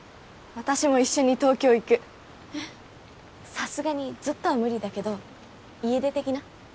さすがにずっとは無理だけど家出的な？